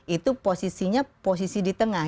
itu posisinya posisi di tengah